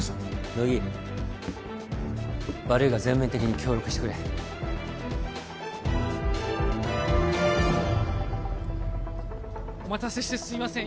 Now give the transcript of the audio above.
乃木悪いが全面的に協力してくれお待たせしてすいません